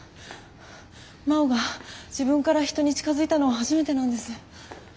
真央が自分から人に近づいたのは初めてなんです。